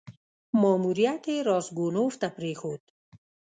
ماموریت یې راسګونوف ته پرېښود.